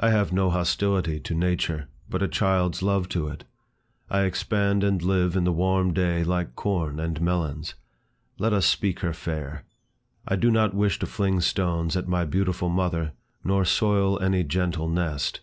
I have no hostility to nature, but a child's love to it. I expand and live in the warm day like corn and melons. Let us speak her fair. I do not wish to fling stones at my beautiful mother, nor soil my gentle nest.